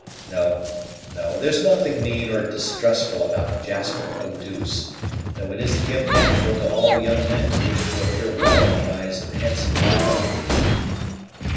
No, no, there's nothing mean or distrustful about Jasper Eau douce, though it is a gift natural to all young men to wish to appear well in the eyes of handsome young women."